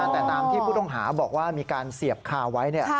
แต่ตามที่ผู้ต้องหาบอกว่ามีการเสียบคาไว้